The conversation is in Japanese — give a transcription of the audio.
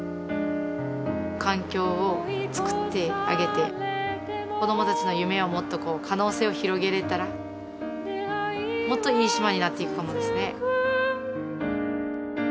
環境を作ってあげて子供たちの夢をもっとこう可能性を広げれたらもっといい島になっていくかもですね。